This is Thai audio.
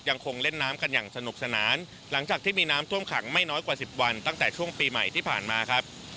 ยังคงเล่นน้ำกันอย่างสนุกสนานหลังจากที่มีน้ำท่วมขังไม่น้อยกว่า๑๐วันตั้งแต่ช่วงปีใหม่ที่ผ่านมาครับ